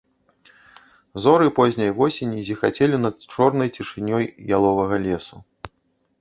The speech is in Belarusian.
Зоры позняй восені зіхацелі над чорнай цішынёй яловага лесу.